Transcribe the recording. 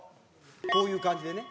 こういう感じでね。